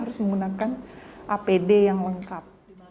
harus menggunakan apd yang lengkap